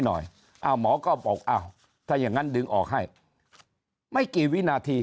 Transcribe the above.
หน่อยอ้าวหมอก็บอกอ้าวถ้าอย่างงั้นดึงออกให้ไม่กี่วินาที